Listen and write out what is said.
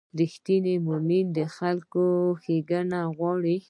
رښتینی مؤمن د خلکو ښېګڼه غواړي.